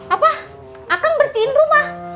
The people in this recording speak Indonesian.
apa akang bersihin rumah